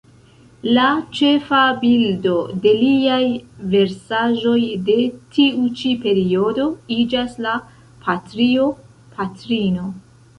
La ĉefa bildo de liaj versaĵoj de tiu ĉi periodo iĝas la Patrio-patrino.